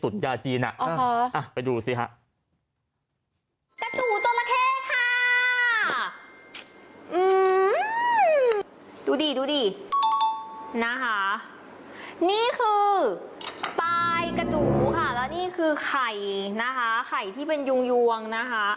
นี่คือตายกระจูค่ะแล้วนี่คือไข่นะคะไข่ที่เป็นยวงนะคะ